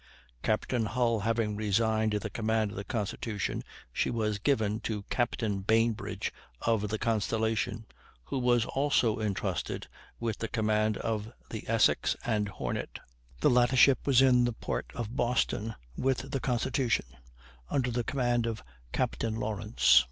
Captain Hull having resigned the command of the Constitution, she was given to Captain Bainbridge, of the Constellation, who was also entrusted with the command of the Essex and Hornet. The latter ship was in the port of Boston with the Constitution, under the command of Captain Lawrence.